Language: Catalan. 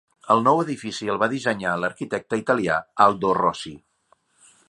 El nou edifici el va dissenyar l'arquitecte italià Aldo Rossi.